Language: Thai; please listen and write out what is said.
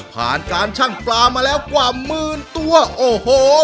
ผ่านการชั่งปลามาแล้วกว่าหมื่นตัวโอ้โห